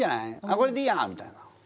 これでいいや」みたいな。